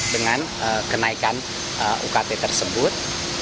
dengan kenaikan ukt tersebut